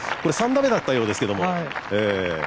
３打目だったようですけども。